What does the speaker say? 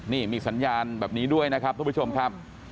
นี่มีสัญญาณแบบนี้ด้วยนะครับทุกผู้ชมครับ